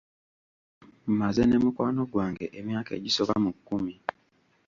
Mmaze ne mukwano gwange emyaka egisoba mu kkumi.